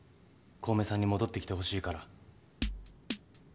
小梅さんに戻ってきてほしいから。